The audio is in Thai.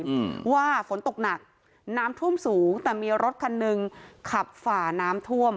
อืมว่าฝนตกหนักน้ำท่วมสูงแต่มีรถคันหนึ่งขับฝ่าน้ำท่วม